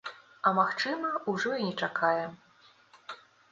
А магчыма, ужо і не чакае.